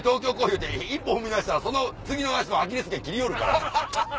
言うて一歩踏み出したらその次の足のアキレス腱切りよるから。